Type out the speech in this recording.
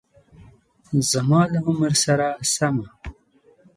زما له عمر سره سمه